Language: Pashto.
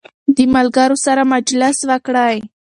د ملګرو سره مجلس وکړئ.